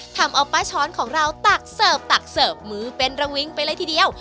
ทำเอาป้าช้อนของเราตักเสิร์ฟตักเสิร์ฟมือเป็นระวิงไปเลยทีเดียว